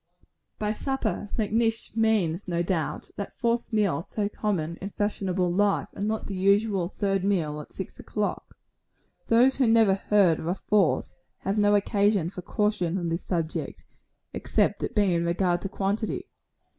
By supper, Macnish means, no doubt, that fourth meal so common in fashionable life, and not the usual third meal at six o'clock Those who never heard of a fourth, have no occasion for caution on this subject, except it be in regard to quantity.